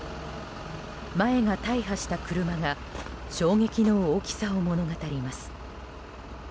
前が大破した車が衝撃の大きさを物語ります。